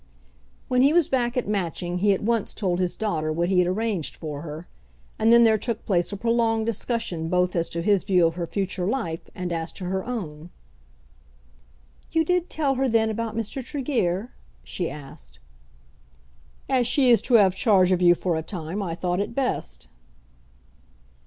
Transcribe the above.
When he was back at Matching he at once told his daughter what he had arranged for her, and then there took place a prolonged discussion both as to his view of her future life and as to her own. "You did tell her then about Mr. Tregear?" she asked. "As she is to have charge of you for a time I thought it best."